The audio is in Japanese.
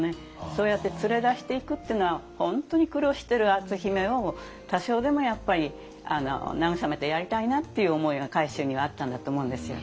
そうやって連れ出していくっていうのは本当に苦労してる篤姫を多少でもやっぱり慰めてやりたいなっていう思いが海舟にはあったんだと思うんですよ。